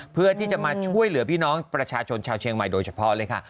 เพื่อที่จะมาช่วยเหลือพี่น้องประชาชนชาวเชียงใหม่โดยเฉพาะเลยค่ะ